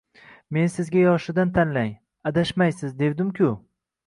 Men sizga yoshidan tanlang, adashmaysiz, devdim-ku